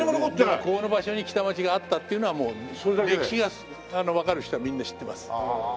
ここの場所に北町があったっていうのは歴史がわかる人はみんな知ってます。